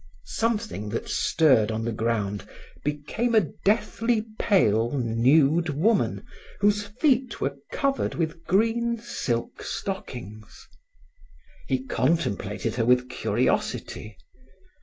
Something that stirred on the ground became a deathly pale, nude woman whose feet were covered with green silk stockings. He contemplated her with curiosity.